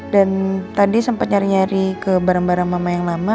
dan tadi sempet nyari nyari ke barang barang mama yang lama